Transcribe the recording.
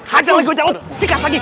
hancar lagi gojak laut sikat lagi